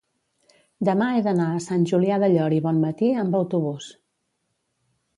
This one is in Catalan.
Demà he d'anar a Sant Julià del Llor i Bonmatí amb autobús